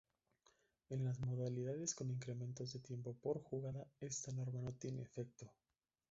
En las modalidades con incrementos de tiempo por jugada esta norma no tiene efecto.